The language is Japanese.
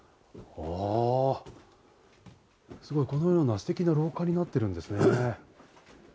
このようなステキな廊下になってるんですね。